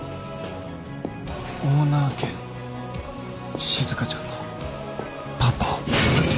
オーナー兼しずかちゃんのパパ。